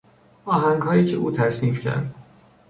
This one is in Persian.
آهنگهایی که او تصنیف کرد